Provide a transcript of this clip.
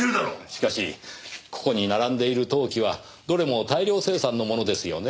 しかしここに並んでいる陶器はどれも大量生産のものですよね。